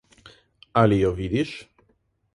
Ali jo vidiš?